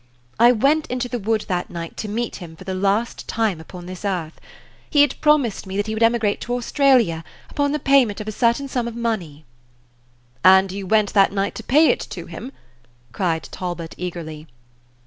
I went into the wood that night to meet him for the last time upon this earth. He had promised me that he would emigrate to Australia upon the payment of a certain sum of money." "And you went that night to pay it to him?" cried Talbot, eagerly.